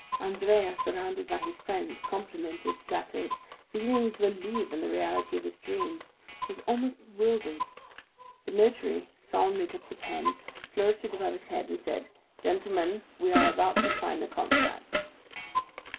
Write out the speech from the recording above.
Andrea, surrounded by his friends, complimented, flattered, beginning to believe in the reality of his dream, was almost bewildered. The notary solemnly took the pen, flourished it above his head, and said: "Gentlemen, we are about to sign the contract."